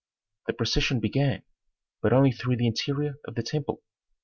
The procession began, but only through the interior of the temple.